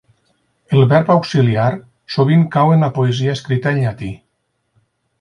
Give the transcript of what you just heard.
El verb auxiliar sovint cau en la poesia escrita en Llatí.